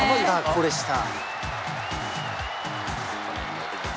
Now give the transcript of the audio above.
これした。